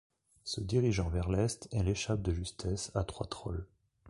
Se dirigeant vers l'Est, elle échappe de justesse à trois trolls.